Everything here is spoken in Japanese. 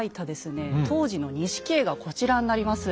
当時の錦絵がこちらになります。